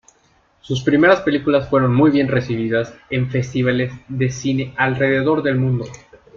Sus primeras películas fueron muy bien recibidas en festivales de cine alrededor del mundo.